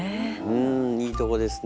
うんいいとこですね。